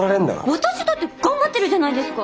私だって頑張ってるじゃないですか！